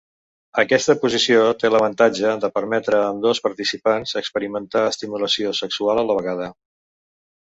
Aquesta posició té l'avantatge de permetre a ambdós participants experimentar estimulació sexual a la vegada.